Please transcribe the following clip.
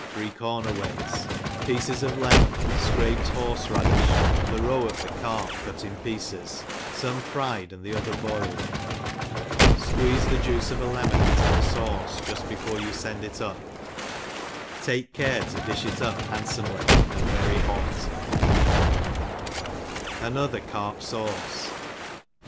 ^7 three corner ways, pieces of lemon, fcraped horre radiHi, and the roe of the carp cut in pieces, fomefryed and the other boiled, fqueeze the juice of a lemon into the fauce juft before you fend it up ; cake care to di(h it qp handr fomely and very hot, Another Carp Sauce.